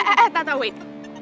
eh eh eh tata wait